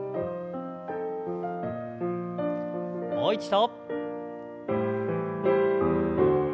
もう一度。